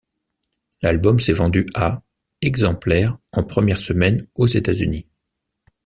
L’album s’est vendu à exemplaires en première semaine aux États-Unis.